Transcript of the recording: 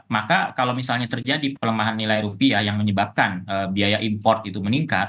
maka kalau misalnya terjadi pelemahan nilai rupiah yang menyebabkan biaya import itu meningkat